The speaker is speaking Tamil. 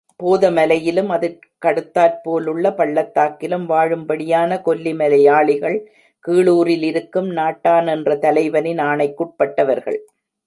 போதமலையிலும் அதற்கடுத்தாற்போலுள்ள பள்ளத்தாக்கிலும் வாழும்படியான கொல்லி மலையாளிகள் கீழூரிலிருக்கும் நாட்டான் என்ற தலைவனின் ஆணைக்குட்பட்டவர்கள்.